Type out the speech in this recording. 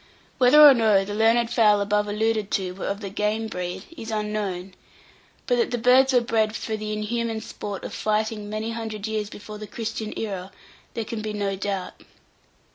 Whether or no the learned fowl above alluded to were of the "game" breed, is unknown; but that the birds were bred for the inhuman sport of fighting many hundred years before the Christian era, there can be no doubt.